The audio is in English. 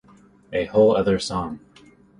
A whole other song.